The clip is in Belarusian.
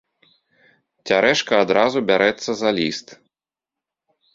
Цярэшка адразу бярэцца за ліст.